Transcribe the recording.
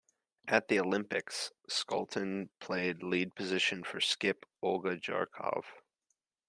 At the Olympics, Skultan played lead position for skip Olga Jarkova.